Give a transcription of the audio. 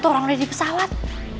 orang udah di pesawat